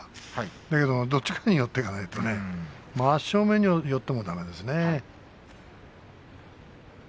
でもどちらかに寄っていかないとね真正面に寄ってもだめだね。